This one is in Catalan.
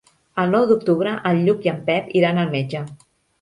El nou d'octubre en Lluc i en Pep iran al metge.